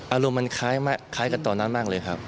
อารมณ์มันคล้ายกับตอนนั้นมากเลยครับ